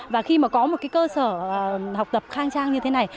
và khi mà có một cái cơ sở học tập khang trang như thế này